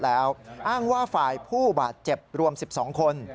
แล้วอ้างว่าฝ่ายผู้บาดเจ็บรวม๑๒คน